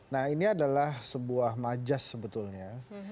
nah ini adalah sebuah majas sebetulnya